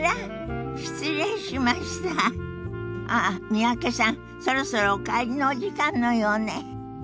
三宅さんそろそろお帰りのお時間のようね。